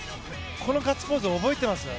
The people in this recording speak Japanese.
このガッツポーズ覚えていますか？